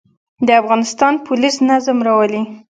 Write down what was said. د افغانستان پولیس نظم راولي